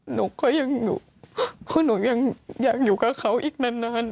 หนูก็ยังอยู่เพราะหนูยังอยากอยู่กับเขาอีกนาน